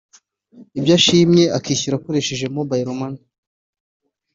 ibyo ashimye akishyura akoresheje mobile money